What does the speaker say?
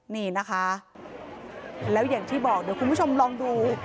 นี่นะคะแล้วอย่างที่บอกเดี๋ยวคุณผู้ชมลองดู